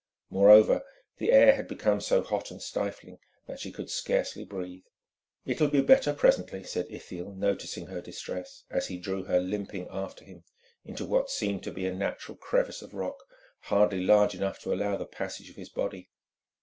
Moreover, the air had become so hot and stifling that she could scarcely breathe. "It will be better presently," said Ithiel, noticing her distress, as he drew her limping after him into what seemed to be a natural crevice of rock hardly large enough to allow the passage of his body.